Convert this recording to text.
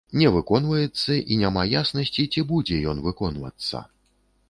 Не выконваецца і няма яснасці, ці будзе ён выконвацца.